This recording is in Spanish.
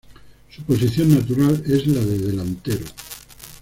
Su posición natural es la de delantero.